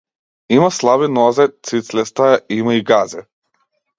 Има слаби нозе, цицлеста е, има и газе.